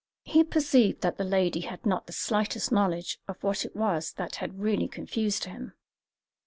He perceived that the lady had not the slightest knowledge of what it was that had really confused him.